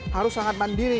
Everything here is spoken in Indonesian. harus sangat mandiri